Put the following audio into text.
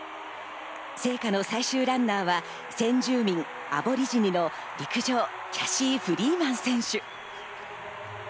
聖火の最終ランナーは先住民アボリジニの陸上、キャシー・フリーマン選手。